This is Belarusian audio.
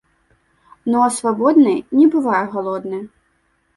Ну а свабодны не бывае галодны.